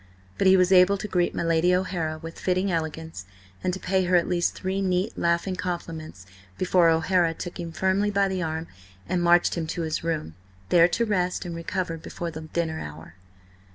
But he was able to greet my Lady O'Hara with fitting elegance and to pay her at least three neat, laughing compliments before O'Hara took him firmly by the arm and marched him to his room, there to rest and recover before the dinner hour.